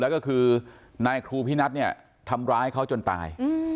แล้วก็คือนายครูพินัทเนี่ยทำร้ายเขาจนตาย